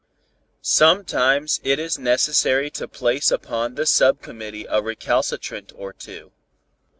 "Sometimes it is necessary to place upon the sub committee a recalcitrant or two.